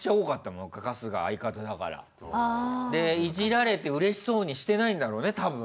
いじられてうれしそうにしてないんだろうねたぶん。